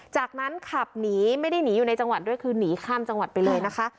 จากนั้นขับหนีไม่ได้หนีอยู่ในจังหวัดด้วยคือหนีข้ามจังหวัดไปเลยนะคะ